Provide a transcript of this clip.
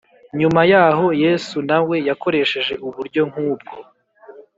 nyuma yaho, yesu na we yakoresheje uburyo nk’ubwo